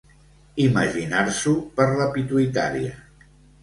Imaginar-s'ho per la pituïtària.